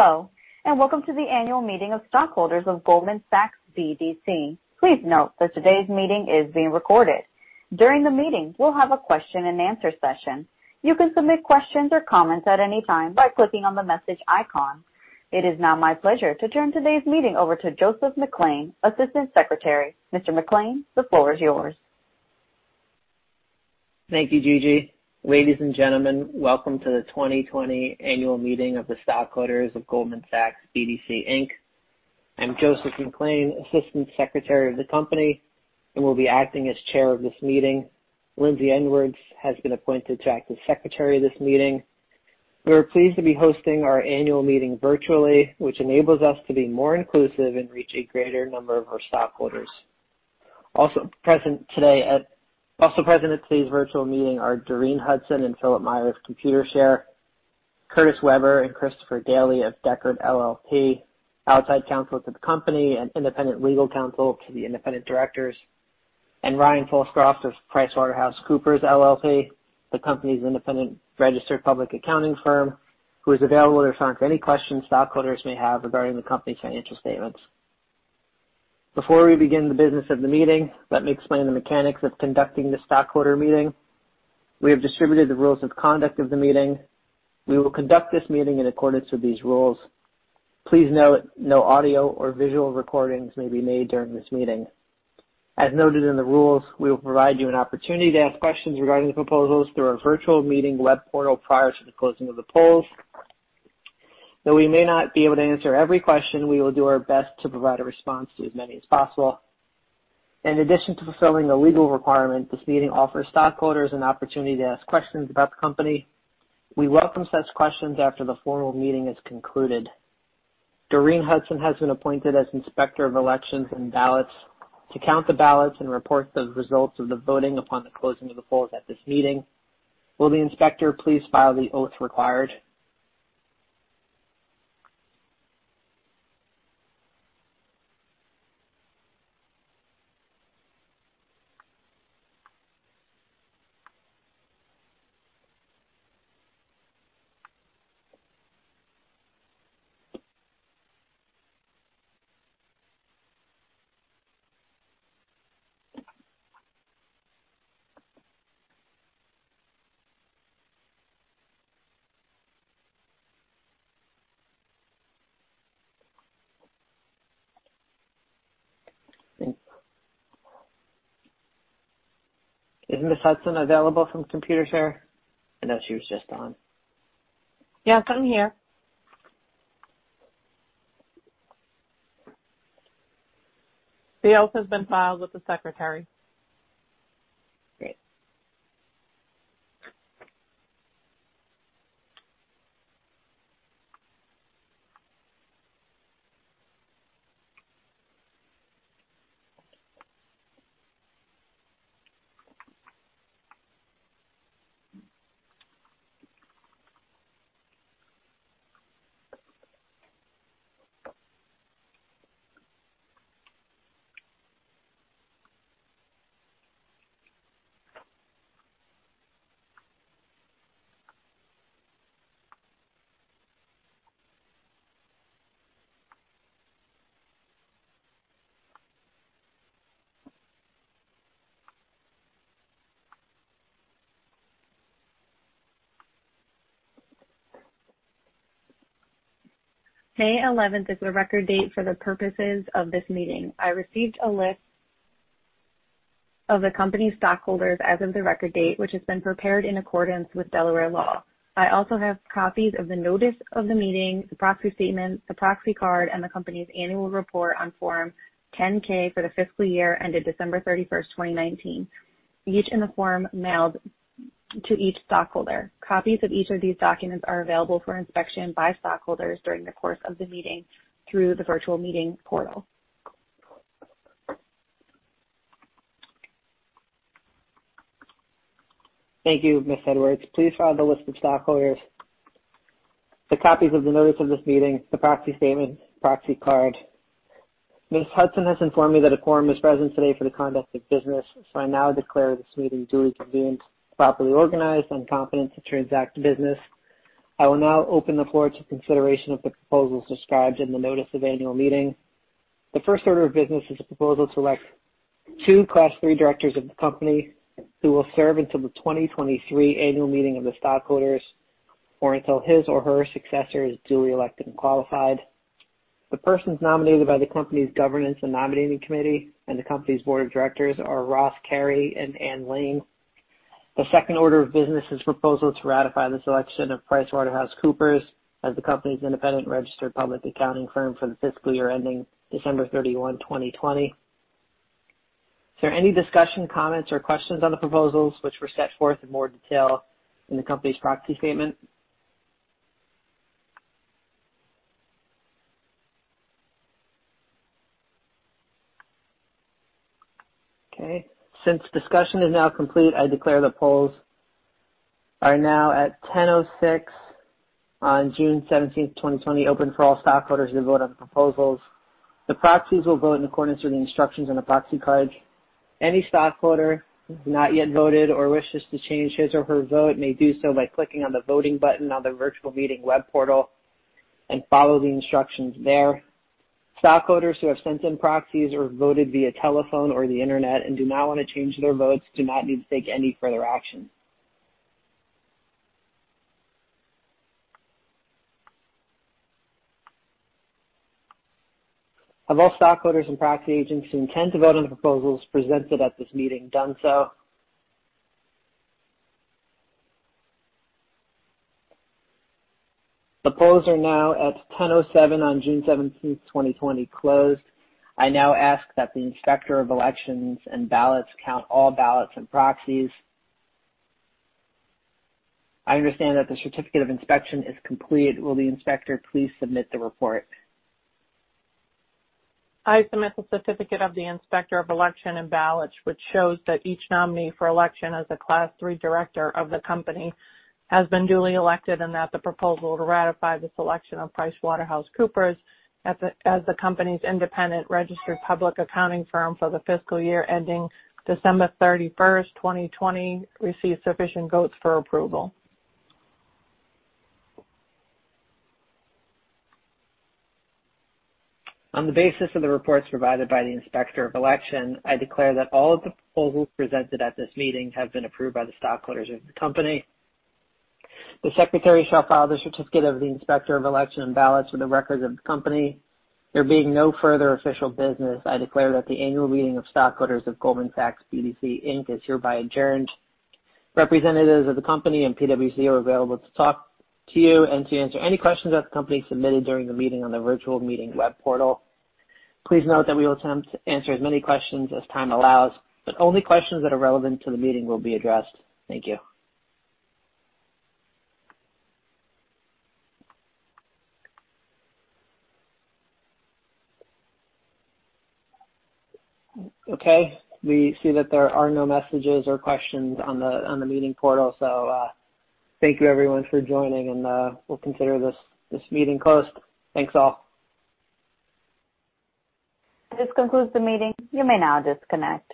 Hello, and welcome to the annual meeting of stockholders of Goldman Sachs BDC. Please note that today's meeting is being recorded. During the meeting, we'll have a question-and-answer session. You can submit questions or comments at any time by clicking on the message icon. It is now my pleasure to turn today's meeting over to Joseph McLean, Assistant Secretary. Mr. McLean, the floor is yours. Thank you, Lindsey. Ladies and gentlemen, welcome to the 2020 annual meeting of the stockholders of Goldman Sachs BDC. I'm Joseph McLean, Assistant Secretary of the company, and will be acting as Chair of this meeting. Lindsey Edwards has been appointed to act as Secretary of this meeting. We are pleased to be hosting our annual meeting virtually, which enables us to be more inclusive and reach a greater number of our stockholders. Also present at today's virtual meeting are Doreen Hudson and Philip Meyer of Computershare, Curtis Weber and Christopher Daly of Dechert LLP, outside counsel to the company and independent legal counsel to the independent directors, and Ryan Fallscroft of PricewaterhouseCoopers LLP, the company's independent registered public accounting firm, who is available to respond to any questions stockholders may have regarding the company's financial statements. Before we begin the business of the meeting, let me explain the mechanics of conducting the stockholder meeting. We have distributed the rules of conduct of the meeting. We will conduct this meeting in accordance with these rules. Please note no audio or visual recordings may be made during this meeting. As noted in the rules, we will provide you an opportunity to ask questions regarding the proposals through our virtual meeting web portal prior to the closing of the polls. Though we may not be able to answer every question, we will do our best to provide a response to as many as possible. In addition to fulfilling a legal requirement, this meeting offers stockholders an opportunity to ask questions about the company. We welcome such questions after the formal meeting is concluded. Doreen Hudson has been appointed as Inspector of Elections and Ballots to count the ballots and report the results of the voting upon the closing of the polls at this meeting. Will the Inspector please file the oath required? Is Ms. Hudson available from Computershare? I know she was just on. Yes, I'm here. The oath has been filed with the Secretary. Great. May 11th is the record date for the purposes of this meeting. I received a list of the company's stockholders as of the record date, which has been prepared in accordance with Delaware law. I also have copies of the notice of the meeting, the proxy statement, the proxy card, and the company's annual report on Form 10-K for the fiscal year ended December 31st, 2019, each in the form mailed to each stockholder. Copies of each of these documents are available for inspection by stockholders during the course of the meeting through the virtual meeting portal. Thank you, Ms. Edwards. Please file the list of stockholders, the copies of the notice of this meeting, the proxy statement, the proxy card. Ms. Hudson has informed me that a quorum is present today for the conduct of business, so I now declare this meeting duly convened, properly organized, and confident to transact business. I will now open the floor to consideration of the proposals described in the notice of annual meeting. The first order of business is a proposal to elect two Class III directors of the company who will serve until the 2023 annual meeting of the stockholders or until his or her successor is duly elected and qualified. The persons nominated by the company's governance and nominating committee and the company's board of directors are Ross Carey and Ann Lean. The second order of business is a proposal to ratify the selection of Price Waterhouse Coopers as the company's independent registered public accounting firm for the fiscal year ending December 31, 2020. Is there any discussion, comments, or questions on the proposals which were set forth in more detail in the company's proxy statement? Okay. Since discussion is now complete, I declare the polls are now at 10:06 on June 17th, 2020, open for all stockholders to vote on the proposals. The proxies will vote in accordance with the instructions on the proxy card. Any stockholder who has not yet voted or wishes to change his or her vote may do so by clicking on the voting button on the virtual meeting web portal and follow the instructions there. Stockholders who have sent in proxies or voted via telephone or the internet and do not want to change their votes do not need to take any further action. Have all stockholders and proxy agents who intend to vote on the proposals presented at this meeting done so? The polls are now at 10:07 on June 17th, 2020, closed. I now ask that the Inspector of Elections and Ballots count all ballots and proxies. I understand that the certificate of inspection is complete. Will the Inspector please submit the report? I submit the certificate of the Inspector of Election and Ballots, which shows that each nominee for election as a Class III director of the company has been duly elected and that the proposal to ratify the selection of Price Waterhouse Coopers as the company's independent registered public accounting firm for the fiscal year ending December 31st, 2020, receives sufficient votes for approval. On the basis of the reports provided by the Inspector of Election, I declare that all of the proposals presented at this meeting have been approved by the stockholders of the company. The Secretary shall file the certificate of the Inspector of Election and Ballots for the records of the company. There being no further official business, I declare that the annual meeting of stockholders of Goldman Sachs BDC Inc. is hereby adjourned. Representatives of the company and PWC are available to talk to you and to answer any questions that the company submitted during the meeting on the virtual meeting web portal. Please note that we will attempt to answer as many questions as time allows, but only questions that are relevant to the meeting will be addressed. Thank you. Okay. We see that there are no messages or questions on the meeting portal, so thank you, everyone, for joining, and we'll consider this meeting closed. Thanks all. This concludes the meeting. You may now disconnect.